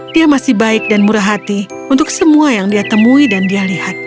dia masih baik dan murah hati untuk semua yang dia temui dan dia lihat